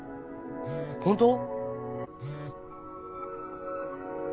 「本当⁉」。